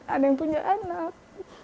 ada yang punya anak